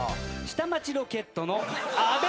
『下町ロケット』の阿部寛。